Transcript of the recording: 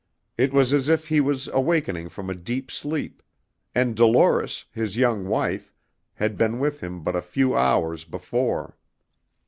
It was as if he was awakening from a deep sleep, and Dolores, his young wife, had been with him but a few hours before.